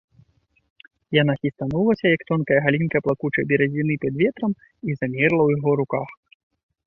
Яна хістанулася, як тонкая галінка плакучае бярэзіны пад ветрам, і замерла ў яго руках.